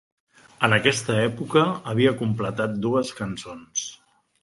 En aquesta època, havia completat dues cançons.